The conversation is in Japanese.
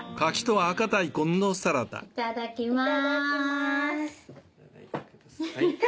はいいただきます。